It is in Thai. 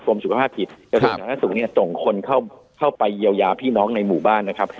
กรมสุขภาพผิดจะถึงทางนักศูนย์เนี่ยตรงคนเข้าไปเยียวยาพี่น้องในหมู่บ้านนะครับ